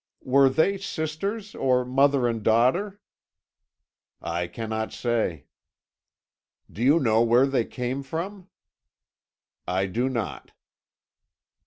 "Were they sisters, or mother and daughter?" "I cannot say." "Do you know where they came from?" "I do not."